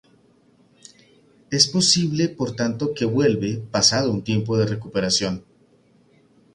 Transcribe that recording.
Es posible, por tanto, que vuelve pasado un tiempo de recuperación.